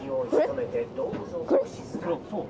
・そう。